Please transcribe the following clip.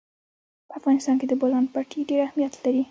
په افغانستان کې د بولان پټي ډېر اهمیت لري.